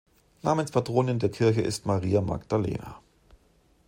Namenspatronin der Kirche ist Maria Magdalena.